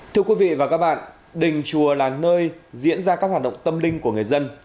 thưa quý vị và các bạn đình chùa là nơi diễn ra các hoạt động tâm linh của người dân